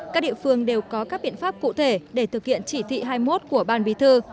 các địa phương đều có các biện pháp cụ thể để thực hiện chỉ thị hai mươi một của ban bí thư